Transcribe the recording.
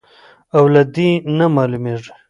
او له دې نه معلومېږي،